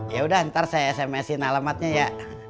yaudah ntar saya sms in alamatnya ya